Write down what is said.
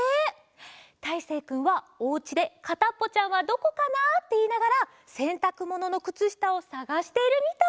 たいせいくんはおうちで「かたっぽちゃんはどこかな？」っていいながらせんたくもののくつしたをさがしているみたい！